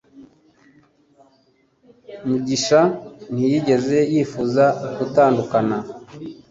mugisha ntiyigeze yifuza gutandukana